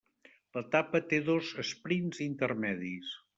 L'etapa té dos esprints intermedis.